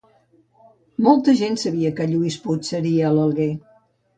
Molta gent sabia que Lluís Puig seria a l'Alguer